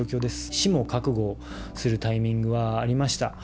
死も覚悟するタイミングはありました。